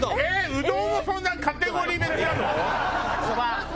うどんもそんなカテゴリー別なの？